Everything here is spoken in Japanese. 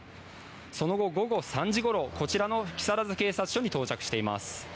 その後、午後３時ごろ木更津警察署に到着しています。